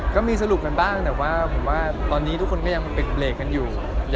ก็มีสรุปกันบ้างแต่ว่าผมว่าตอนนี้ทุกคนก็ยังปิดเบรกกันอยู่